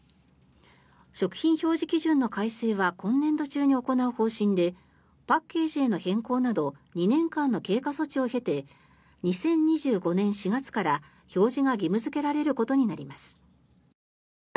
食品表示基準の改正は今年度中に行う方針でパッケージへの変更など２年間の経過措置を経て２０２５年４月から、表示が義務付けられることになります。